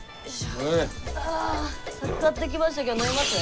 あ酒買ってきましたけど飲みます？